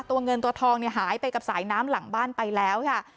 เงินตัวทองเนี่ยหายไปกับสายน้ำหลังบ้านไปแล้วค่ะ